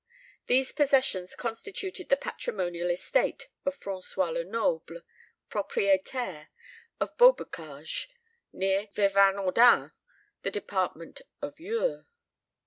These possessions constituted the patrimonial estate of François Lenoble, propriétaire, of Beaubocage, near Vevinordin, the department of Eure.